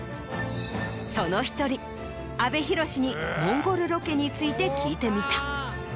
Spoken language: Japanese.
その１人阿部寛にモンゴルロケについて聞いてみた。